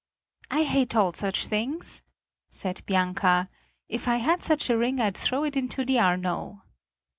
"I hate all such things," said Bianca. "If I had such a ring I'd throw it into the Arno."